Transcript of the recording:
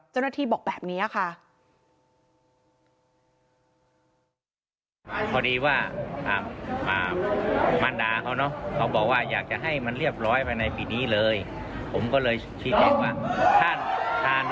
เจ้าหน้าที่บอกแบบนี้ค่ะ